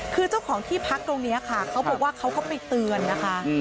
คือเจ้าของที่พักตรงนี้ค่ะเขาบอกว่าเขาก็ไปเตือนนะคะ